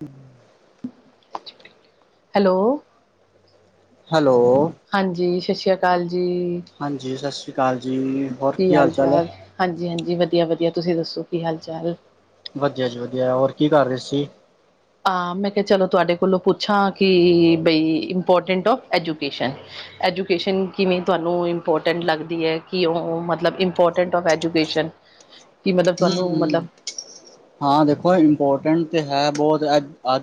ਹਮ hello? Hello? ਹਾਂਜੀ ਸਤਿ ਸ਼੍ਰੀ ਅਕਾਲ ਜੀ। ਹਾ ਜੀ ਸਤਿ ਸ੍ਰੀ ਅਕਾਲ ਜੀ। ਸਤਿ ਸ਼੍ਰੀ ਅਕਾਲ ਜੀ। ਹੋਰ ਕੀ ਹਾਲ ਚਾਲ ਹੈ ਹਾਲ-ਚਾਲ ਹਾਂਜੀ ਹਾਂਜੀ ਵਧੀਆ ਵਧੀਆ ਤੁਸੀਂ ਦੱਸੋ ਕੀ ਹਾਲ ਚਾਲ ਵਧੀਆ ਜੀ ਵਧੀਆ ਹੋਰ ਕੀ ਕਰ ਰਹੇ ਸੀ। ਕਿ ਮੈਂ ਕਿਹਾ ਚਲੋ ਤੁਹਾਡੇ ਕੋਲੋਂ ਪੁੱਛਾਂ ਕਿ ਬਈ ਇੰਪੋਰਟੈਂਟ ਔਫ ਐਜੂਕੇਸ਼ਨ ਐਜੂਕੇਸ਼ਨ ਕਿਵੇਂ ਤੁਹਾਨੂੰ ਇੰਪੋਰਟੈਂਟ ਲੱਗਦੀ ਹੈ। ਕਿ ਉਹ ਮਤਲਬ ਕਿ ਇੰਪੋਰਟੈਂਟ ਔਫ ਐਜੂਕੇਸ਼ਨ। ਹਾਂ [inaudible] ਹੂੰ, ਹਾਂ ਦੇਖੋ ਇੰਪੋਰਟੈਂਟ ਤੇ ਹੈ। ਬਹੁਤ ਅ ਅੱ।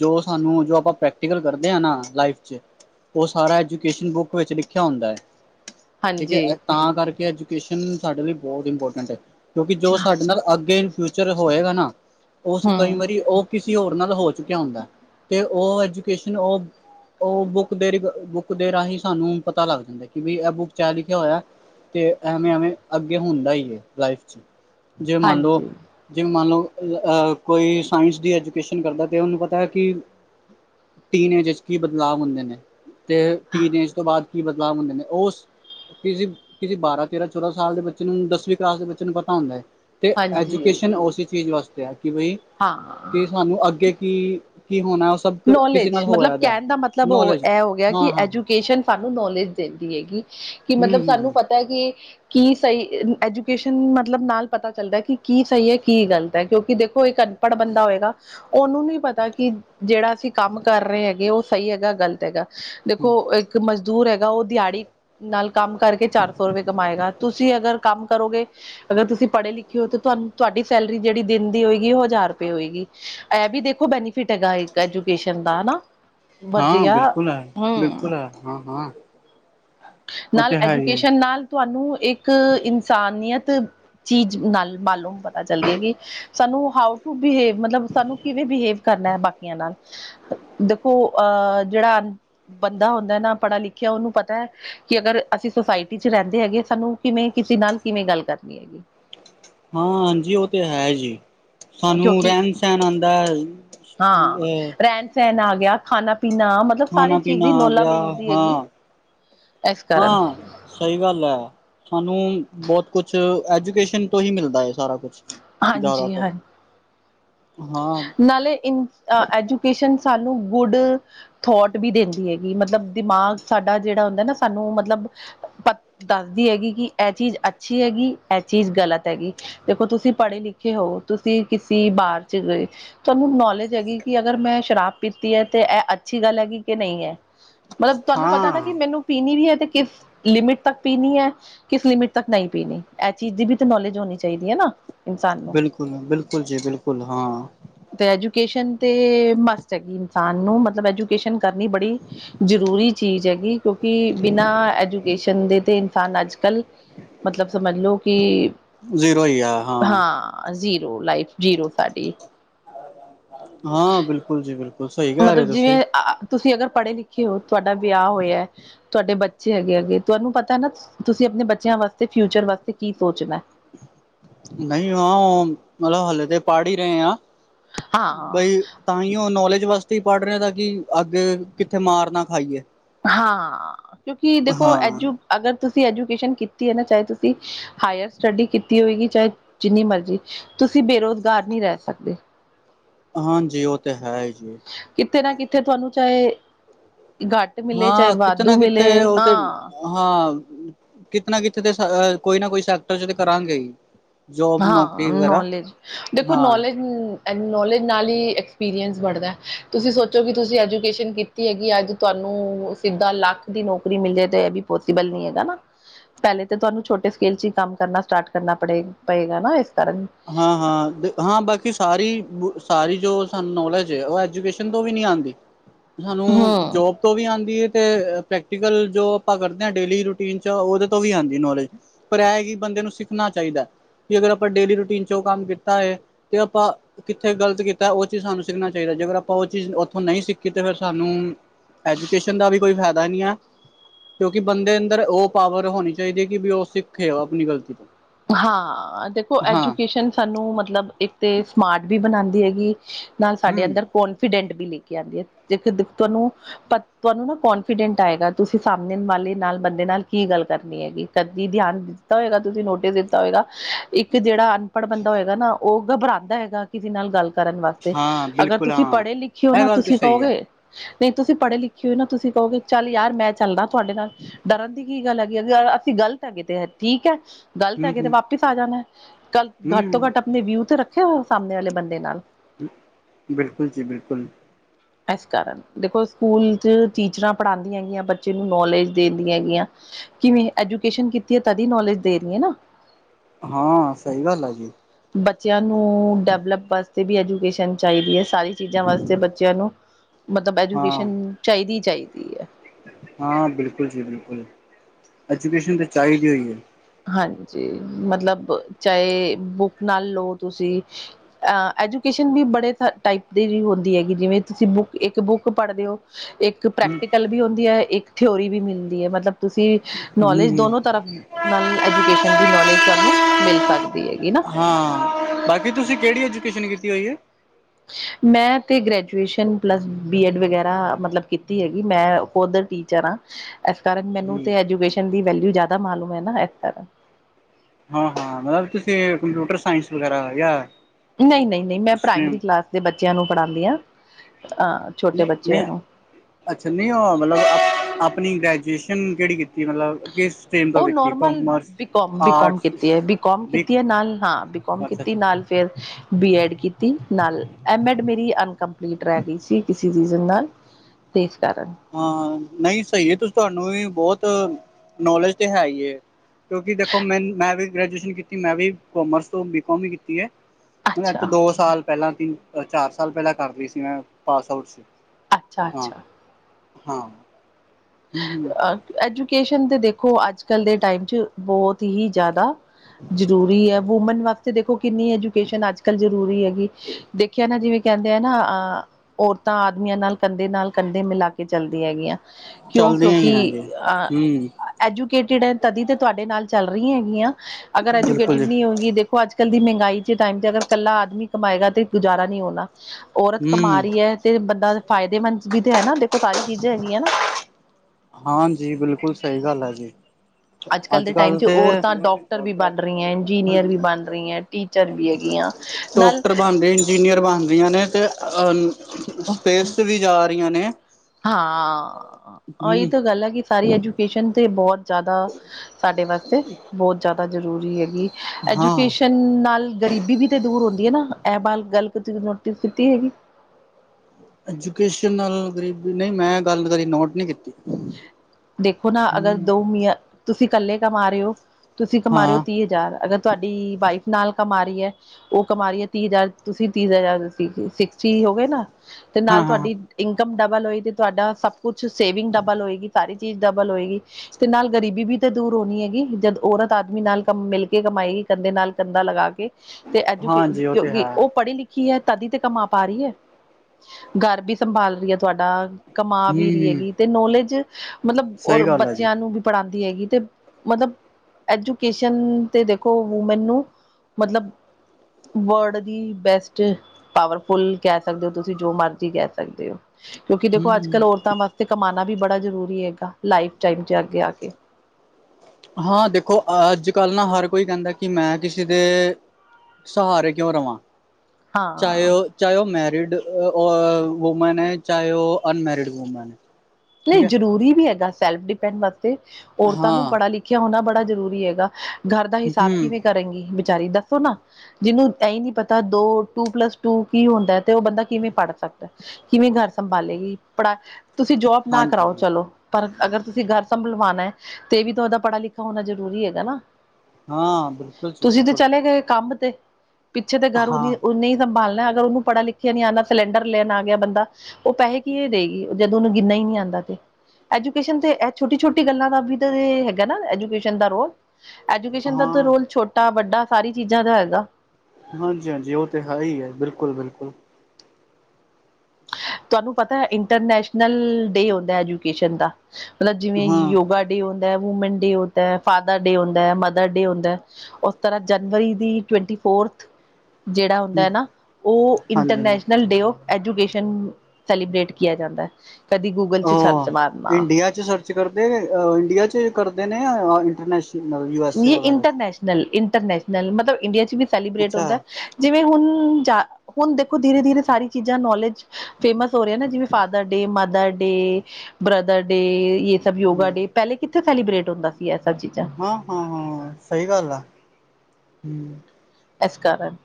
ਜੋ ਸਾਨੂੰ, ਜੋ ਆਪਾਂ ਪ੍ਰੈਕਟੀਕਲ ਕਰਦੇ ਹਾਂ ਨਾ, ਲਾਈਫ ਚ। ਉਹ ਸਾਰਾ ਐਜੂਕੇਸ਼ਨ ਬੁੱਕ ਵਿੱਚ ਲਿਖਿਆ ਹੁੰਦਾ ਹੈ। ਠੀਕ ਹਾਂਜੀ ਹੈ। ਤਾਂ ਕਰਕੇ ਐਜੂਕੇਸ਼ਨ ਸਾਡੇ ਲਈ ਬਹੁਤ ਇੰਪੋਰਟੈਂਟ ਹੈ। ਕਿਉਂਕਿ ਜੋ ਸਾਡੇ ਨਾਲ, ਅੱਗੇ ਇਨ ਫਿਊਚਰ ਹੋਏਗਾ ਨਾ। ਉਸ ਹੂੰ ਕਈ ਵਾਰੀ ਉਹ ਕਿਸੇ ਹੋਰ ਨਾਲ ਹੋ ਚੁੱਕਿਆ ਹੁੰਦਾ ਹੈ। ਤੇ ਉਹ ਐਜੂਕੇਸ਼ਨ ਉਹ। ਉਹ ਬੁੱਕ ਦੇ, ਬੁੱਕ ਦੇ ਰਾਹੀਂ ਸਾਨੂੰ ਪਤਾ ਲੱਗ ਜਾਂਦਾ ਕਿ ਬ ਇਹ ਬੁੱਕ ਚ, ਐ ਲਿਖਿਆ ਹੋਇਆ। ਤੇ ਐਵੇਂ- ਐਵੇਂ ਅੱਗੇ ਹੁੰਦਾ ਹੀ ਹੈ ਲਾਈਫ ਚ, ਜੇ ਵੇ ਮੰਨ ਲਓ। ਹਾਂਜੀ ਜਿਵੇਂ ਮੰਨ ਲਓ। ਕੋਈ ਸਾਇੰਸ ਦੀ ਐਜੂਕੇਸ਼ਨ ਕਰਦਾ ਤੇ, ਉਹਨੂੰ ਪਤਾ ਕਿ ਟੀਨ ਏਜ ਵਿੱਚ ਕੀ ਬਦਲਾਵ ਹੁੰਦੇ ਨੇ। ਤੇ ਟੀਨ ਏਜ ਤੋਂ ਬਾਅਦ, ਕੀ ਬਦਲਾਵ ਹੁੰਦੇ ਨੇ ਉਸ। ਕਿਸੀ, ਕਿਸੀ ਬਾਰਾਂ, ਤੇਰਾਂ, ਚੌਦਾਂ ਸਾਲ ਦੇ ਬੱਚੇ ਨੂੰ ਦਸਵੀਂ ਕਲਾਸ ਦੇ ਬੱਚੇ ਨੂੰ। ਪਤਾ ਹੁੰਦਾ ਹੈ। ਤੇ ਹਾਂਜੀ ਐਜੂਕੇਸ਼ਨ ਉਸੇ ਚੀਜ਼ ਵਾਸਤੇ ਆ ਕਿ ਬਈ, ਹਾਂ ਕਿ ਸਾਨੂੰ ਅੱਗੇ। ਕੀ- ਕੀ ਹੋਣਾ ਉਸ। ਨੌਲੇਜ ਮਤਲਬ ਕਹਿਣ ਦਾ ਮਤਲਬ ਉਹ ਨੌਲੇਜ ਇਹ ਹੋ ਗਿਆ ਕਿ ਹਾਂ ਹਾਂ ਹਾਂ ਐਜੂਕੇਸ਼ਨ। ਸਾਨੂੰ ਨੌਲੇਜ ਦਿੰਦੀ ਹੈਗੀ। ਕਿ ਹੂੰ ਮਤਲਬ ਸਾਨੂੰ ਹੂੰ ਪਤਾ ਕਿ ਕੀ ਸਹੀ ਐਜੂਕੇਸ਼ਨ ਮਤਲਬ ਨਾਲ ਪਤਾ ਚੱਲਦਾ ਕਿ ਕੀ ਸਹੀ ਹੈ। ਕੀ ਗਲਤ ਹੈ, ਕਿਉਂਕਿ ਕਿ ਦੇਖੋ ਇੱਕ ਅਨਪੜ ਬੰਦਾ ਹੋਏਗਾ। ਉਹਨੂੰ ਨੀ ਪਤਾ ਕਿ ਜਿਹੜਾ ਅਸੀਂ ਕੰਮ ਕਰ ਰਹੇ ਹੈਗੇ। ਉਹ ਸਹੀ ਹੈਗਾ, ਗ਼ਲਤ ਹੈਗਾ ਹੂੰ ਦੇਖੋ। ਇੱਕ ਮਜ਼ਦੂਰ ਹੈਗਾ, ਉਹ ਦਿਹਾੜੀ ਨਾਲ ਕੰਮ ਕਰਕੇ ਚਾਰ ਸੌ ਰੁਪਏ ਕਮਾਏਗਾ। ਤੁਸੀਂ ਅਗਰ ਕੰਮ ਕਰੋਗੇ ਅਗਰ ਤੁਸੀਂ ਪੜੇ- ਲਿਖੇ ਹੋ ਤਾਂ, ਤੁਹਾਨੂੰ ਤੁਹਾਡੀ ਸੈਲਰੀ ਜਿਹੜੀ ਦਿਨ, ਦੀ ਹੋਏਗੀ ਉਹ ਹਜ਼ਾਰ ਰੁਪਏ ਹੋਏਗੀ। ਇਹ ਵੀ ਦੇਖੋ ਬੈਨੀਫਿਟ ਹੈਗਾ, ਇੱਕ ਐਜੂਕੇਸ਼ਨ ਦਾ ਹਨਾ। ਵਧੀਆ ਹੂੰ। ਹਾ-ਹਾ। ਨਾਲ ਐਜੂਕੇਸ਼ਨ ਨਾਲ ਤੁਹਾਨੂੰ, ਇੱਕ ਇਨਸਾਨੀਅਤ ਚੀਜ਼ ਨਾਲ ਮਾਲੂਮ ਪਤਾ ਚੱਲਦੀ ਹੈ ਕਿ। ਸਾਨੂੰ ਹਾਊ ਟੂ ਬਿਹੇਵ, ਮਤਲਬ ਸਾਨੂੰ ਕਿਵੇਂ ਬਿਹੇਵ ਕਰਨਾ ਹੈ ਬਾਕੀਆਂ ਨਾਲ। ਦੇਖੋ ਅਹ ਜਿਹੜਾ ਅ ਬੰਦਾ ਹੁੰਦਾ ਨਾ ਪੜਿਆ- ਲਿਖਿਆ ਉਹਨੂੰ ਪਤਾ ਹੈ। ਕਿ ਅਗਰ ਅਸੀਂ ਸੁਸਾਇਟੀ ਚ, ਰਹਿੰਦੇ ਹੈਗੇ ਸਾਨੂੰ ਕਿਵੇਂ ਕਿਸੇ ਨਾਲ, ਕਿਵੇਂ ਗੱਲ ਕਰਨੀ ਹੈਗੀ। ਹਾਂ ਹਾਂਜੀ, ਉਹ ਤੇ ਹੈ ਜੀ। ਸਾਨੂੰ ਕਿਉਂਕਿ ਰਹਿਣ ਸਹਿਣ ਆਉਂਦਾ। ਹਾਂ ਰਹਿਣ- ਸਹਿਣ ਆ ਗਿਆ। ਖਾਣਾ ਪੀਣਾ ਮਤਲਬ ਸਾਰੀ ਖਾਣਾ ਚੀਜ਼ ਹੀ ਪੀਣਾ ਆ ਨੋਲਾ ਗਿਆ ਮਿਲਦੀ ਹੈਗੀ, ਹਾਂ ਇਸ ਕਾਰਨ। ਹਾਂ ਸਹੀ ਗੱਲ ਹੈ। ਸਾਨੂੰ ਬਹੁਤ ਕੁਛ ਐਜੂਕੇਸ਼ਨ ਤੋਂ ਹੀ ਮਿਲਦਾ ਹੈ ਸਾਰਾ ਕੁਛ। ਹਾਂਜੀ ਜ਼ਿਆਦਾਤਰ। ਹਾਂ ਨਾਲ਼ੇ ਇਨ। ਅਹ ਐਜੂਕੇਸ਼ਨ ਸਾਨੂੰ ਗੁੱਡ ਥੋਟ, ਵੀ ਦਿੰਦੀ ਹੈਗੀ ਮਤਲਬ। ਦਿਮਾਗ ਸਾਡਾ ਜਿਹੜਾ ਹੁੰਦਾ ਨਾ, ਸਾਨੂੰ ਮਤਲਬ। ਪ ਦੱਸਦੀ ਹੈਗੀ। ਕਿ ਇਹ ਚੀਜ਼ ਅੱਛੀ ਹੈਗੀ, ਇਹ ਚੀਜ਼ ਗ਼ਲਤ ਹੈਗੀ। ਦੇਖੋ ਤੁਸੀਂ ਪੜੇ- ਲਿਖੇ ਹੋ। ਤੁਸੀਂ ਕਿਸੀ ਬਾਜ਼ਾਰ ਚ ਚਲੇ ਗਏ ਹੋ। ਤੁਹਾਨੂੰ ਨੌਲੇਜ ਹੈਗੀ, ਕਿ ਅਗਰ ਮੈਂ ਸ਼ਰਾਬ ਪੀਤੀ ਹੈ, ਤੇ ਇਹ ਅੱਛੀ ਗੱਲ ਹੈਗੀ ਕਿ ਨਹੀਂ ਹੈ। ਮਤਲਬ ਤੁਹਾਨੂੰ ਪਤਾ ਨਾ ਕਿ, ਹਾਂ ਮੈਨੂੰ ਪੀਣੀ ਵੀ ਹੈ ਤੇ ਕਿਸ ਲਿਮਿਟ ਤੱਕ ਪੀਣੀ ਹੈ। ਕਿਸ ਲਿਮਿਟ ਤੱਕ ਨਹੀਂ ਪੀਣੀ। ਇਹ ਚੀਜ਼ ਦੀ ਵੀ ਤਾਂ ਨੌਲੇਜ ਹੋਣੀ ਚਾਹੀਦੀ ਹੈ ਨਾ। ਇਨਸਾਨ ਨੂੰ ਬਿਲਕੁਲ, ਬਿਲਕੁਲ ਜੀ ਬਿਲਕੁਲ ਹਾਂ। ਤੇ ਐਜੂਕੇਸ਼ਨ ਤੇ ਮਸਟ ਹੈਗੀ ਏ, ਇਨਸਾਨ ਨੂੰ ਮਤਲਬ ਐਜੂਕੇਸ਼ਨ ਕਰਨੀ ਬੜੀ ਜ਼ਰੂਰੀ ਚੀਜ਼ ਹੈਗੀ। ਕਿਉਂਕਿ ਬਿਨਾਂ ਐਜੂਕੇਸ਼ਨ ਕਹਿੰਦੇ ਕਿ ਇਨਸਾਨ ਅੱਜ ਕੱਲ, ਮਤਲਬ ਸਮਝ ਲਓ ਕਿ ਜ਼ੀਰੋ ਹੀ ਆ ਹਾਂ। ਹਾਂ ਜ਼ੀਰੋ ਲਾਈਫ, ਜ਼ੀਰੋ ਸਾਡੀ। ਹਾਂ ਬਿਲਕੁਲ ਜੀ ਬਿਲਕੁਲ। ਸਹੀ ਕਹਿ ਰਹੇ ਹੋ ਮਤਲਬ ਤੁਸੀਂ ਜਿਵੇਂ ਤੁਸੀਂ ਅਗਰ ਪੜ੍ਹੇ ਲਿਖੇ ਹੋ। ਤੁਹਾਡਾ ਵਿਆਹ ਹੋਇਆ ਹੈ। ਤੁਹਾਡੇ ਬੱਚੇ ਹੈਗੇ ਅਗੇ, ਤੁਹਾਨੂੰ ਪਤਾ ਹੈ ਨਾ ਤੁਸੀਂ ਆਪਣੇ ਬੱਚਿਆਂ ਵਾਸਤੇ ਫਿਊਚਰ ਵਾਸਤੇ ਕੀ ਸੋਚਣਾ ਹੈ। ਨਹੀਂ ਹਾਂ ਉਹ ਮਤਲਬ ਹਲੇੇ ਤਾਂ ਪੜ੍ਹ ਹੀ ਰਹੇ ਆ, ਹਾਂ ਬਈ। ਤਾਂ ਹੀ ਉਹ ਨੌਲੇਜ ਵਾਸਤੇ ਹੀ ਪੜ੍ਹ ਰਿਹਾ ਤਾਂ ਕੀ, ਅੱਗੇ ਕਿਤੇ ਮਾਰ ਨਾ ਖਾਈਏ। ਹਾਂ ਕਿਉਂਕਿ ਦੇਖੋ ਹਾਂ ਐਜੂ ਅਗਰ ਤੁਸੀਂ ਐਜੂਕੇਸ਼ਨ ਕੀਤੀ ਹੈ। ਨਾ ਚਾਹੇ ਤੁਸੀਂ। ਹਾਇਰ ਸਟੱਡੀ ਕੀਤੀ ਹੋਏਗੀ ਚਾਹੇ ਜਿੰਨੀ ਮਰਜ਼ੀ, ਤੁਸੀਂ ਬੇਰੁਜ਼ਗਾਰ ਨਹੀਂ ਰਹਿ ਸਕਦੇ। ਹਾਂਜੀ ਉਹ ਤਾਂ ਹੈ ਹੀ ਜੀ। ਕਿਤੇ ਨਾ ਕਿਤੇ ਤੁਹਾਨੂੰ ਚਾਹੇ, ਘਾਟ। ਘੱਟ ਮਿਲੇ ਚਾਹੇ ਹਾਂ ਕਿਤੇ ਨਾ ਵਾਧੂ ਕਿਤੇ ਮਿਲੇ, ਉਹ ਤੇ ਹਾਂ। ਹਾਂ ਕਿਤੇ ਨਾ ਕਿਤੇ ਤੇ ਕੋਈ ਨਾ ਕੋਈ ਸੈਕਟਰ 'ਚ ਤੇ ਕਰਾਂਗੇ ਹੀ। ਜੋਬ ਹਾਂ ਨੌਕਰੀ ਵਗੈਰਾ ਨੌਲੇਜ, ਦੇਖੋ ਹਾਂ। ਨੌਲੇਜ। ਐ ਨੌਲੇਜ ਨਾਲ ਹੀ ਐਕਸਪੀਰੀਐਂਸ ਬੜਦਾ ਤੁਸੀਂ ਸੋਚੋ ਕਿ ਤੁਸੀਂ ਐਜੂਕੇਸ਼ਨ। ਕਿ ਅੱਜ ਤੁਹਾਨੂੰ ਸਿੱਧਾ ਲੱਖ ਦੀ ਨੌਕਰੀ ਮਿਲੇ ਤਾਂ ਇਹ ਵੀ ਪੋਸੀਬਲ ਨਹੀਂ ਹੈਗਾ ਨਾ। ਪਹਿਲੇ ਤਾਂ ਤੁਹਾਨੂੰ ਛੋਟੇ ਸਕੇਲ ਚ ਹੀ ਕੰਮ ਕਰਨਾ ਸਟਾਰਟ ਕਰਨਾ ਪੜੇ-ਪਏਗਾ ਨਾ ਇਸ ਕਾਰਨ। ਹਾਂ, ਹਾਂ, ਹਾਂ ਬਾਕੀ ਸਾਰੀ, ਸਾਰੀ ਜੋ ਸਾਨੂੰ ਨੌਲੇਜ ਹੈ। ਉਹ ਐਜੂਕੇਸ਼ਨ ਤੋਂ ਵੀ ਨਹੀਂ ਆਉਂਦੀ। [inaudible] ਸਾਨੂੰ ਹੂੰ ਜੋਬ- ਤੋਂ ਵੀ ਆਉਂਦੀ ਹੈ ਤੇ ਪ੍ਰੈਕਟੀਕਲ ਜੋ ਆਪਾਂ ਕਰਦੇ ਹਾਂ ਡੇਲੀ ਰੂਟੀਨ ਚ ਉਹਦੇ ਤੋਂ ਵੀ ਆਉਂਦੀ ਹੈ ਨੌਲੇਜ। ਪਰ ਇਹ ਕਿ ਬੰਦੇ ਨੂੰ ਸਿੱਖਣਾ ਚਾਹੀਦਾ, ਕਿ ਅਗਰ ਆਪਾਂ ਡੇਲੀ ਰੂਟੀਨ ਚ ਉਹ ਕੰਮ ਕੀਤਾ ਏ। ਤੇ ਆਪਾਂ- ਕਿੱਥੇ ਗ਼ਲਤ ਕੀਤਾ ਉਹ ਚੀਜ਼ ਸਾਨੂੰ ਸਿੱਖਣਾ ਚਾਹੀਦਾ ਹੈ। ਜੇਕਰ ਆਪਾਂ ਉਹ ਚੀਜ਼ ਉੱਥੋਂ ਨਹੀਂ ਸਿੱਖੀ ਤੇ ਫਿਰ ਸਾਨੂੰ। ਐਜੂਕੇਸ਼ਨ ਦਾ ਵੀ ਕੋਈ ਫਾਇਦਾ ਨਹੀਂ ਹੈ। ਕਿਉਂਕਿ ਬੰਦੇ ਅੰਦਰ ਉਹ ਪਾਵਰ ਹੋਣੀ ਚਾਹੀਦੀ ਹੈ। ਕਿ ਵੀ ਉਹ ਸਿੱਖੇ ਆਪਣੀ ਗ਼ਲਤੀ ਤੋਂ। ਹਾਂ ਦੇਖੋ ਹਾਂ ਐਜੂਕੇਸ਼ਨ ਸਾਨੂੰ ਮਤਲਬ ਇੱਕ ਤੇ ਸਮਾਰਟ ਵੀ ਬਣਾਉਂਦੀ ਹੈਗੀ। ਨਾਲ ਸਾਡੇ ਹਮ ਅੰਦਰ ਕੋਂਨਫੀਡੈਂਟ ਵੀ ਲੈ ਕੇ ਆਉਂਦੀ ਹੈ। ਜੇਕਰ ਦੇਖਣ ਨੂੰ। ਪਰ ਤੁਹਾਨੂੰ ਨਾ ਕੋਂਨਫੀਡੈਂਟ ਆਏਗਾ ਤੁਸੀਂ ਸਾਹਮਣੇ ਵਾਲੇ ਨਾਲ ਬੰਦੇ ਨਾਲ ਕੀ ਗੱਲ ਕਰਨੀ ਹੈਗੀ ਕਦੀ ਧਿਆਨ। ਕੀਤਾ ਹੋਏਗਾ ਤੁਸੀਂ ਨੋਟ। ਦਿੱਤਾ ਹੋਏਗਾ, ਇੱਕ ਜਿਹੜਾ ਅਨਪੜ੍ਹ ਬੰਦਾ ਹੋਏਗਾ ਨਾ ਉਹ ਘਬਰਾਉਂਦਾ ਹੈਗਾ ਕਿਸੇ ਨਾਲ ਗੱਲ। ਕਰਨ ਵਾਸਤੇ, ਹਾਂ ਅਗਰ ਬਿਲਕੁਲ ਤੁਸੀਂ ਹਾਂ ਪੜ੍ਹੇ ਲਿਖੇ ਹੋ ਇਹ ਨਾ ਗੱਲ ਤਾਂ ਤੁਸੀਂ ਸਹੀ ਆ ਕਹੋਗੇ। ਨਹੀਂ ਤੁਸੀਂ ਪੜ੍ਹੇ ਲਿਖੇ ਹੋਏ ਨਾ ਤੁਸੀਂ ਕਹੋਗੇ ਚੱਲ ਯਾਰ ਮੈਂ ਚੱਲਦਾ ਤੁਹਾਡੇ ਨਾਲ। ਡਰਨ ਦੀ ਕੀ ਗੱਲ ਹੈਗੀ ਹੈ। ਅਸੀਂ ਗ਼ਲਤ ਹੈਗੇ ਤੇ ਠੀਕ ਹੈ। ਗ਼ਲਤ ਹਮ ਹੈਗੇ ਤੇ ਹਮ ਵਾਪਿਸ ਆ ਜਾਣਾ। ਕੱਲ, ਘੱਟ ਤੋਂ ਹਮ ਘੱਟ ਆਪਣੇ ਵਿਊ ਤੇ ਰੱਖੇ ਉਹ ਸਾਹਮਣੇ ਵਾਲੇ ਬੰਦੇ ਨਾਲ। ਬਿਲਕੁਲ ਜੀ ਬਿਲਕੁਲ। ਇਸ ਕਾਰਨ, ਦੇਖੋ ਸਕੂਲ ਚ ਟੀਚਰਾਂ ਪੜ੍ਹਾਉਂਦੀਆਂ ਹੈਗੀਆਂ ਬੱਚੇ ਨੂੰ ਨੌਲੇਜ ਦਿੰਦੀਆਂ ਹੈਗੀਆਂ। ਕਿਵੇ ਐਜੂਕੇਸ਼ਨ ਕੀਤੀ ਹੈ, ਤਦੀ ਨੌਲੇਜ ਦੇ ਰਹੀ ਹੈ ਨਾ। ਹਾਂ, ਸਹੀ ਗੱਲ ਆ ਜੀ। ਬੱਚਿਆਂ ਨੂੰ ਡਿਵਲਪ ਵਾਸਤੇ ਵੀ ਐਜੂਕੇਸ਼ਨ ਚਾਹੀਦੀ ਹੈ। ਸਾਰੀ ਚੀਜ਼ਾਂ ਵਾਸਤੇ ਬੱਚਿਆਂ ਨੂੰ, ਮਤਲਬ ਹਾਂ ਐਜੂਕੇਸ਼ਨ ਚਾਹੀਦੀ, ਚਾਹੀਦੀ ਹੈ। ਹਾਂ ਬਿਲਕੁਲ ਜੀ ਬਿਲਕੁਲ। ਐਜੂਕੇਸ਼ਨ ਤਾਂ ਚਾਹੀਦੀ ਹੋਈ ਹੈ। ਹਾਂਜੀ, ਮਤਲਬ, ਚਾਹੇ ਬੁੱਕ ਨਾਲ ਲਓ ਤੁਸੀਂ। ਐਜੂਕੇਸ਼ਨ ਵੀ ਬੜੇ ਟਾਈਪ ਦੀ ਹੁੰਦੀ ਹੈਗੀ ਜਿਵੇਂ ਤੁਸੀਂ ਬੁੱਕ ਇੱਕ ਬੁੱਕ ਪੜ੍ਹਦੇ ਹੋ। ਇੱਕ- ਪ੍ਰੈਕਟੀਕਲ ਵੀ ਹੁੰਦੀ ਹੈ। ਇੱਕ ਥਿਓਰੀ ਵੀ ਮਿਲਦੀ ਹੈ। ਮਤਲਬ ਤੁਸੀਂ ਨੌਲੇਜ ਹਮ ਦੋਨੋ ਤਰਫ- ਨਾਲ ਐਜੂਕੇਸ਼ਨ ਦੀ ਨੌਲੇਜ ਤੁਹਾਨੂੰ ਮਿਲ ਸਕਦੀ ਹੈਗੀ ਨਾ। ਹਾਂ, ਬਾਕੀ ਤੁਸੀਂ ਕਿਹੜੀ ਐਜੂਕੇਸ਼ਨ ਕੀਤੀ ਹੋਈ ਹੈ। ਮੈਂ ਤੇ ਗ੍ਰੈਜੂਏਸ਼ਨ ਪਲੱਸ ਬੀ-ਐਡ ਵਗੈਰਾ ਮਤਲਬ ਕੀਤੀ ਹੈਗੀ। ਮੈਂ ਉਧਰ ਟੀਚਰ ਹਾਂ। ਇਸ ਕਾਰਨ ਮੈਨੂੰ ਹਮ ਤੇ ਐਜੂਕੇਸ਼ਨ ਦੀ ਵੈਲਿਊ ਜ਼ਿਆਦਾ ਮਾਲੂਮ ਹੈ ਨਾ ਇਸ ਕਾਰਨ। ਹਾਂ, ਹਾਂ ਮਤਲਬ ਤੁਸੀਂ ਕੰਪਿਊਟਰ ਸਾਇੰਸ ਵਗੈਰਾ ਜਾਂ - ਨਹੀਂ, ਨਹੀਂ, ਨਹੀਂ ਮੈਂ ਪ੍ਰਾਇਮਰੀ ਕਲਾਸ ਦੇ ਬੱਚਿਆਂ ਨੂੰ ਪੜ੍ਹਾਉਂਦੀ ਹਾਂ। ਛੋਟੇ ਨਹੀਂ ਬੱਚਿਆਂ ਨਹੀਂ ਨੂੰ ਅੱਛਾ ਨਹੀਂ ਉਹ ਮਤਲਬ ਆਪਣੀ ਗ੍ਰੇਜੂਏਸ਼ਨ ਕਿਹੜੀ ਕੀਤੀ ਮਤਲਬ ਕਿਸ ਸਟਰੀਮ ਤੋਂ ਉਹ ਕੀਤੀ ਨੋਰਮਲ ਕੋਮਰਸ ਬੀਕੋਮ ਬੀਕੋਮ ਕੀਤੀ ਆਰਟਸ ਹੈ ਬੀਕੋਮ ਵੀ ਕੀਤੀ ਹੈ ਨਾਲ ਹਾਂ ਬੀਕੋਮ ਅੱਛਾ ਕੀਤੀ ਨਾਲ ਫਿਰ ਬੀ ਐਡ ਕੀਤੀ ਨਾਲ ਐਮ ਐਡ ਮੇਰੀ ਅਨਕਪਲੀਟ ਰਹਿ ਗਈ ਸੀ ਕਿਸੇ ਰੀਜ਼ਨ ਨਾਲ ਇਸ ਕਾਰਨ। ਹਾਂ ਨਹੀਂ ਸਹੀ ਹੈ ਤੁਸੀ ਤੁਹਾਨੂੰ ਵੀ ਬਹੁਤ ਨੌਲੇਜ ਤੇ ਹੈ ਹੀ ਏ ਕਿਉਂਕਿ ਦੇਖੋ ਮ ਮੈਂ ਵੀ ਗ੍ਰੈਜੂਏਸ਼ਨ ਕੀਤੀ ਮੈਂ ਵੀ ਕੋਮਰਸ ਤੋਂ ਬੀਕਮ ਹੀ ਕੀਤੀ ਹੈ। ਅੱਛਾ ਦੋ ਸਾਲ ਪਹਿਲਾਂ ਤਿੰਨ ਚਾਰ ਸਾਲ ਪਹਿਲਾਂ ਕਰ ਲਈ ਸੀ ਮੈਂ ਪਾਸ ਆਊਟ ਸੀ। ਅੱਛਾ, ਹਾਂ ਅੱਛਾ ਹਾਂ। ਹੂ। ਐਜੂਕੇਸ਼ਨ ਤਾਂ ਦੇਖੋ ਅੱਜ ਕੱਲ੍ਹ ਦੇ ਟਾਈਮ'ਚ ਬਹੁਤ ਹੀ ਜ਼ਿਆਦਾ ਜ਼ਰੂਰੀ ਹੈ ਵੂਮਨ ਵਾ ਤੇ ਦੇਖੋ ਕਿੰਨੀ ਐਜੂਕੇਸ਼ਨ ਅੱਜ ਕੱਲ੍ਹ ਜ਼ਰੂਰੀ ਹੈਗੀ ਦੇਖਿਆ ਨਾ ਜਿਵੇਂ ਕਹਿੰਦੇ ਆ ਨਾ ਅਹ ਔਰਤਾਂ ਆਦਮੀਆਂ ਨਾਲ ਕੰਧੇ ਨਾਲ ਕੰਧੇ ਮਿਲਾ ਕੇ ਚੱਲਦੀ ਹੈਗੀਆਂ ਕਿਉਂ ਚੱਲਦੀਆਂ ਹੀ ਹੈ ਕਿਉਂਕਿ ਜੀ ਅ ਹੂੰ ਐਜੂਕੇਟਿਡ ਹੈ ਤਦੀ ਤਾਂ ਤੁਹਾਡੇ ਨਾਲ ਚੱਲ ਰਹੀਆਂ ਹੈਗੀਆਂ ਅਗਰ ਬਿਲਕੁਲ ਐਜੂਕੇਟਿਡ ਜੀ ਨਹੀਂ ਹੋਏਗੀ ਦੇਖੋ ਅੱਜ ਅਜ ਕੱਲ ਦੀ ਮਹਿੰਗਾਈ ਚ ਟਾਈਮ, ਤੇ ਅਗਰ ਕੱਲਾ ਆਦਮੀ ਕਮਾਏਗਾ ਤੇ ਗੁਜ਼ਾਰਾ ਨਹੀਂ ਹੋਣਾ ਔਰਤ ਕਮਾ ਹੂੰ ਰਹੀ ਹੈ ਤੇ ਬੰਦਾ ਫਾਇਦੇਮੰਦ ਵਿੱਚ ਤੇ ਹੈ ਨਾ ਦੇਖੋ ਸਾਰੀ ਚੀਜ਼ਾਂ ਹੈਗੀਆਂ ਨਾ ਹਾਂ ਜੀ ਬਿਲਕੁਲ ਸਹੀ ਗੱਲ ਹੈ ਜੀ। ਅੱਜ ਕੱਲ੍ਹ ਦੇ ਟਾਈਮ 'ਚ ਔਰਤਾਂ ਡਾਕਟਰ ਵੀ ਬਣ ਰਹੀਆਂ ਇੰਜੀਨੀਅਰ ਵੀ ਬਣ ਰਹੀਆ ਹੈ ਟੀ -ਚਰ ਵੀ ਹੈਗੀਆਂ ਨਾਲੇ ਡਾਕਟਰ ਬਣ ਰਹੇ ਇੰਜੀਨੀਅਰ ਬਣਦੀਆਂ ਨੇ ਅਤੇ ਸਪੇਸ 'ਤੇ ਵੀ ਜਾ ਰਹੀਆਂ ਨੇ ਹਾਂ ਇਹ ਹੂੰ ਤਾਂ ਗੱਲ ਹੈ ਕਿ ਸਾਰੀ ਐਜੂਕੇਸ਼ਨ ਤੇ ਬਹੁਤ ਜ਼ਿਆਦਾ ਸਾਡੇ ਵਾਸਤੇ ਬਹੁਤ ਜ਼ਿਆਦਾ ਜ਼ਰੂਰੀ ਹੈਗੀ। ਹਾਂ ਐਜੂਕੇਸ਼ਨ ਨਾਲ ਗਰੀਬੀ ਵੀ ਦੂਰ ਹੁੰਦੀ ਹੈ ਨਾ ਇਹ ਬ ਗੱਲ ਨੋਟਿਸ ਕੀਤੀ ਹੈਗੀ। ਐਜੂਕੇਸ਼ਨ ਨਾਲ ਗ ਨਹੀਂ ਮੈਂ ਗੱਲ ਕਦੀ ਨੋਟ ਨਹੀਂ ਕੀਤੀ। ਦੇਖੋ ਨਾ ਅਗਰ ਹੂੰ ਦੋ ਮੀਆਂ ਤੁਸੀਂ ਇਕੱਲੇ ਕਮਾ ਰਹੇ ਹੋ ਤੁਸੀਂ ਹਾਂ ਕਮਾ ਰਹੇ ਹੋ ਤੀਹ ਯਾਰ ਅਗਰ ਤੁਹਾਡੀ ਵਾਈਫ ਨਾਲ ਕਮਾ ਰਹੀ ਹੈ। ਉਹ ਕਮਾ ਰਹੀ ਹੈ ਤੀਹ ਹਜ਼ਾਰ ਤੁਸੀਂ ਤੀਹ ਹਜ਼ਾਰ ਸਿਕਸਟੀ ਹੋ ਗਏ ਨਾ ਤੇ ਹਾਂ ਨਾਲ ਹਾਂ ਤੁਹਾਡੀ ਇਨਕਮ ਡਬਲ ਹੋਈ ਤੇ ਤੁਹਾਡਾ ਸਭ ਕੁਛ ਸੇਵਿੰਗ ਡਬਲ ਡਬਲ ਹੋਏਗੀ ਸਾਰੀ ਚੀਜ਼ ਡਬਲ ਹੋਏਗੀ। ਤੇ ਨਾਲ ਗਰੀਬੀ ਵੀ ਤਾਂ ਦੂਰ ਹੋਣੀ ਹੈਗੀ ਜਦ ਔਰਤ ਆਦਮੀ ਨਾਲ ਕੰਮ ਮਿਲ ਕੇ ਕਮਾਏਗੀ ਕੰਧੇ ਨਾਲ ਕੰਧਾ ਲਗਾ ਕੇ ਤੇ ਐਜੂ ਕੇ ਹਾਂਜੀ ਉਹ ਤੇ ਕਿਉਂਕਿ ਹੈ ਉਹ ਪੜ੍ਹੀ ਲਿਖੀ ਕੀ ਹੈ ਤਦ ਤੇ ਕਮਾ ਪਾ ਰਹੀ ਹੈ ਘਰ ਵੀ ਸੰਭਾਲ ਦੀ ਤੁਹਾਡਾ ਕਮਾ ਵੀ ਰਹੀ ਹੂੰ ਹੈਗੀ ਤੇ ਨੌਲੇਜ ਮਤਲਬ ਸਹੀ ਰ ਗੱਲ ਹੈ ਜੀ ਬੱਚਿਆਂ ਨੂੰ ਵੀ ਪੜਾਉਂਦੀ ਹੈਗੀ ਤੇ ਮਤਲਬ ਐਜੂਕੇਸ਼ਨ ਤੇ ਦੇਖੋ ਮੈਨੂੰ ਮਤਲਬ ਵਰਲਡ ਦੀ ਬੈਸਟ ਪਾਵਰਫੁੱਲ ਕਹਿ ਸਕਦੇ ਹੋ ਤੁਸੀਂ ਜੋ ਮਰਜ਼ੀ ਕਹਿ ਸਕਦੇ ਹੋ ਕਿਉਂਕਿ ਦੇਖੋ ਅੱਜ ਕੱਲ੍ਹ ਹੂੰ ਔਰਤਾਂ ਵਾਸਤੇ ਕਮਾਉਣਾ ਵੀ ਬੜਾ ਜ਼ਰੂਰੀ ਹੈਗਾ ਲਾਈਫ ਟਾਈਮ ਚ ਅੱਗੇ ਆ ਕੇ ਹਾਂ ਦੇਖੋ ਅੱਜ ਕੱਲ੍ਹ ਨਾ ਹਰ ਕੋਈ ਕਹਿੰਦਾ ਕਿ ਮੈਂ ਕਿਸੇ ਦੇ ਮੈ ਕਿਸੇ ਦੇਸਹਾਰੇ ਕਿਉਂ ਰਵਾਂ ਚਾਹੇ ਹਾਂ ਉਹ ਚਾਹੇ ਉਹ ਮੈਰਿਡ ਵੂਮੈਨ ਹੈ ਚਾਹੇ ਉਹ ਅਨਮੈਰਿਡ ਵੂਮੈਨ ਹੈ ਠੀਕ ਨਹੀਂ ਹੈ ਜ਼ਰੂਰੀ ਵੀ ਹੈਗਾ ਸੈਲਫ ਡਿਪੈਂਡ ਬਸ ਤੇ ਔਰਤਾਂ ਨੂੰ ਹਾਂ ਪੜ੍ਹਿਆ ਲਿਖਿਆ ਹੋਣਾ ਬੜਾ ਜ਼ਰੂਰੀ ਹੈ ਗਾ ਘਰ ਦਾ ਹਿਸਾਬ ਕਿਵੇਂ ਹੂੰ ਕਰੇਗੀ? ਵਿਚਾਰੀ ਦੱਸੋ ਨਾ ਜਿਹਨੂੰ ਇਹ ਨਹੀਂ ਪਤਾ ਦੋ ਟੂ ਪਲੱਸ ਟੂ ਕੀ ਹੁੰਦਾ ਹੈ ਤੇ ਉਹ ਬੰਦਾ ਕਿਵੇਂ ਪੜ੍ਹ ਸਕਦਾ ਕਿਵੇਂ ਘਰ ਸੰਭਾਲੇਗੀ ਪੜ੍ਹਾ ਤੁਸੀਂ ਜੋਬ ਨਾ ਕਰਾਓ ਹਾਂਜੀ ਚਲੋ ਪਰ, ਅਗਰ ਤੁਸੀਂ ਘਰ ਸੰਭਲਵਾਉਣਾ, ਤੇ ਵੀ ੳਹਦਾ ਪੜ੍ਹਾ ਲਿਖਾ ਹੋਣਾ ਜਰੂਰੀ, ਹੈਗਾ ਨਾ ਹਾਂ ਬਿਲਕੁਲ ਜੀ ਤੁਸੀਂ, ਤੇ ਬਿਲਕੁਲ ਚਲੇ ਗਏ ਕੰਮ ਤੇ ਪਿੱਛੇ ਦੇ ਘਰ ਹਾਂ ਉਣੇ ਹੀ ਸੰਭਾਲਣਾ, ਅਗਰ ਉਹਨੂੰ ਪੜ੍ਹਾ ਲਿਖਿਆ ਨੀ ਆਣਾ ਸਿਲੰਡਰ ਲੈਣ ਆ ਗਿਆ ਬੰਦਾ, ਉਹ ਪੈਸੇ ਕਿਵੇਂ ਦੇ ਗਈ, ਜਦੋਂ ਉਹਨੂੰ ਗਿਨਨਾ ਹੀ ਨਹੀਂ ਆ ਐਜੂਕੇਸ਼ਨ, ਤੇ ਛੋਟੀ ਛੋਟੀ ਗੱਲਾਂ ਦਾ ਵੀ ਹੈਗਾ ਨਾ, ਐਜੂਕੇਸ਼ਨ ਦਾ, ਰੋਲ ਐਜੂਕੇਸ਼, ਨ ਦਾ ਤਾਂ ਹਾਂ ਰੋਲ ਛੋਟਾ ਵੱਡਾ ਸਾਰੀ ਚੀਜ਼ਾਂ ਦਾ ਹੈਗਾ ਹਾਂਜੀ- ਹਾਂਜੀ ਉਹ ਤੇ ਹੈ, ਹੀ ਹੈ ਬਿਲਕੁਲ ਬਿਲਕੁਲ ਤੁਹਾਨੂੰ ਪਤਾ, ਇੰਟਰਨੈਸ਼ਨਲ ਡੇ, ਹੁੰਦਾ ਐਜੂਕੇਸ਼ਨ ਦਾ ਮਤਲਬ ਜਿਵੇਂ, ਹਾਂ ਯੋਗਾ ਡੇ ਹੁੰਦਾ, ਵੂਮੈਨ ਡੇ ਹੁੰਦਾ, ਹੈ ਫਾਦਰ ਡੇ, ਹੁੰਦਾ ਹੈ ਮਦਰ ਡੇ, ਹੁੰਦਾ ਉਹ ਤਰ੍ਹਾਂ ਜਨਵਰੀ ਦੀ, ਟਵੰਟੀ ਫੋਰਥ ਜਿਹੜਾ ਹੁੰਦਾ ਏ ਨਾ, ਉਹ ਹਾਂਜੀ ਹਾਂਜੀ international day of, education celebrate ਕੀਤਾ ਜਾਂਦਾ ਹੈ, ਕਦੀ ਗੂਗਲ ਚ ਸਰਚ, ਉਹ ਮਾਰਨਾ ਇੰਡੀਆ ਸਰਚ ਕਰਦੇ ਨੇ ਇੰਡੀਆ ਚ ਕਰਦੇ ਨੇ, ਆਲ ਇੰਟਰਨੈਸਲ ਚ [inaudible] ਯਹ ਇੰਟਰਨੈਸ਼ਨਲ ਇੰਟਰਨੈਸ਼ਨਲ, ਮਤਲਬ ਇੰਡੀਆ ਚ ਵੀ ਸੈਲੀਬਰੇਟ ਅੱਛਾ ਹੁੰਦਾ- ਜਿਵੇਂ ਹੁਣ ਦੇਖੋ ਧੀਰੇ ਧੀਰੇ ਸਾਰੀ ਚੀਜ਼ਾਂ ਨੌਲੇਜ- ਫੇਮਸ ਹੋ ਰਿਹਾ ਨਾ ਜਿਵੇਂ father day, mother day, brother day ਤਬ ਯਗਾ ਡੇ, ਪਹਿਲੇ ਕਿੱਥੇ ਸੈਲੀਬਰੇਟ ਹੁੰਦਾ ਸੀ ਇਹ ਸਭ ਚੀਜ਼ਾਂ ਹਾਂ ਹਾਂ ਹਾਂ ਸਹੀ ਗੱਲ ਆ ਹਮ ਇਸ ਕਾਰਨ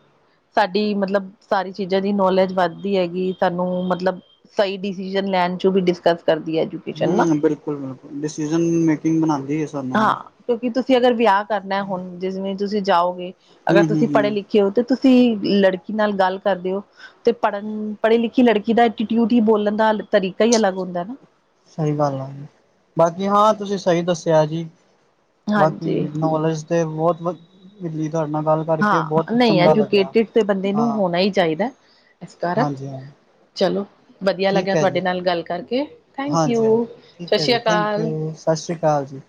ਸਾਡੀ ਮਤਲਬ ਸਾਰੀਆਂ ਚੀਜ਼ਾਂ ਦੀ ਨੌਲੇਜ ਵੱਧਦੀ ਹੈਗੀ ਸਾਨੂੰ ਮਤਲਬ ਸਹੀ ਡਿਸੀਜ਼ਨ, ਲੈਣ ਚ ਵੀ ਡਿਸਕਸ ਕਰਦੀ, ਹੈ ਐਜੂਕੇਸ਼ਨ ਨਾ ਹੂ ਬਿਲਕੁਲ ਬਿਲਕੁਲ ਡਿਸੀਜ਼ਨ ਮੇਕਿੰਗ ਬਣਾਉਂਦੀ, ਹੈ ਸਾਨੂੰ ਆ ਕਿਉਂਕਿ, ਤੁਸੀਂ ਅਗਰ ਵਿਆਹ ਕਰਨਾ ਹੁਣ ਜਿਵੇਂ ਤੁਸੀਂ ਜਾਓਗੇ, ਹਮ ਅਗਰ ਹਮ ਤੁਸੀਂ ਪੜ੍ਹੇ ਹਮ ਲਿਖੇ ਕਿਉਂ ਕਿ, ਤੁਸੀਂ ਲੜਕੀ ਨਾਲ ਗੱਲ ਕਰਦੇ ਹੋ? ਤੇ ਪੜ੍ਹਨ, ਪੜੀ ਲਿਖੀ ਲੜਕੀ ਦਾ ਐਟੀਟਿਊਡ, ਹੀ ਬੋਲਣ ਦਾ ਤਰੀਕਾ ਹੀ, ਅਲੱਗ ਹੁੰਦਾ ਨਾ ਸਹੀ ਗੱਲ ਆ, ਬਸ ਜੀ ਹਾਂ ਤੁਸੀਂ ਸਹੀ, ਦੱਸਿਆ ਜੀ ਬਾਕੀ ਹਾਂਜੀ ਨੌਲੇਜ ਤੇ ਬਹੁਤ ਵਧੀ ਜੀ, ਤੁਹਾਡੇ ਨਾਲ ਗੱਲ ਕਰਕੇ ਹਾਂ ਬਹੁਤ ਨਹੀਂ, ਚੰਗਾ ਲੱਗਿਆ ਐਜੂਕੇਟਿਡ ਬੰਦੇ ਨੂੰ ਹਾਂ ਹੋਣਾ ਹੀ ਚਾਹੀਦਾ, ਇਸ ਕਾਰਨ ਹਾਂਜੀ ਹਾਂ ਚਲੋ ਵਧੀਆ ਠੀਕ ਲੱਗਿਆ, ਹੈ ਜੀ ਤੁਹਾਡੇ ਨਾਲ ਗੱਲ ਕਰਕੇ, ਥੈਂਕ ਹਾਂਜੀ ਹਾਂਜੀ ਯੂ, ਸਤਿ ਠੀਕ ਹੈ ਸ਼੍ਰੀ ਜੀ ਥੈਂਕ ਅਕਾਲ। ਯੂ ਸਤਿ ਸ਼੍ਰੀ ਅਕਾਲ ਜੀ।